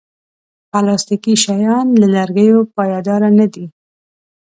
پلاستيکي شیان له لرګیو پایداره نه دي.